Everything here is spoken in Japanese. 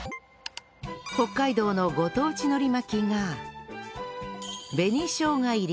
北海道のご当地海苔巻きが